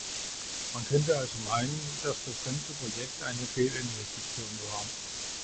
Man könnte also meinen, dass das ganze Projekt eine Fehlinvestition war.